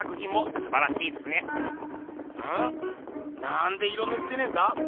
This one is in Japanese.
なんで色ぬってねえんだ。